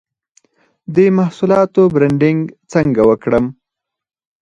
د محصولاتو برنډینګ څنګه وکړم؟